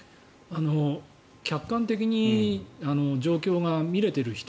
客観的に状況が見れている人